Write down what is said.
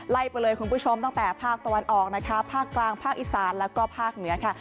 ไปเลยคุณผู้ชมตั้งแต่ภาคตะวันออกนะคะภาคกลางภาคอีสานแล้วก็ภาคเหนือค่ะ